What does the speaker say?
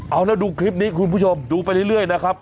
เอาแล้วดูคลิปนี้คุณผู้ชมดูไปเรื่อยนะครับ